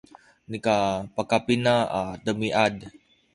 nika pakapina a demiad